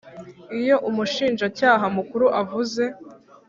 Iyo Umushinjacyaha Mukuru avuze